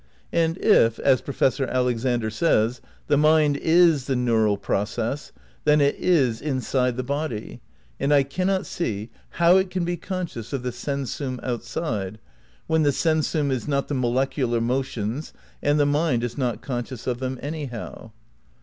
And if, as Professor Alexander says, the mind is the neural process, then it is inside the body, and I cannot see how it can be conscious of the sensum outside, when the sensum is not the molecular motions and the mind is not conscious of them anyhow.